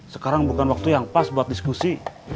sekarang bukan waktu yang pas buat diskusi